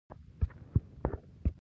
یو سل او لومړۍ پوښتنه د غړو عزل دی.